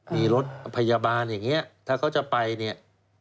มีรถพยาบาลอย่างนี้ถ้าเขาจะไปเนี่ย